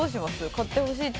買ってほしいっていう。